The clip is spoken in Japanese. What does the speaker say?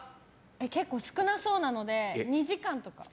結構少なそうなので２時間とか。